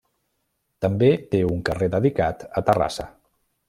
També té un carrer dedicat a Terrassa.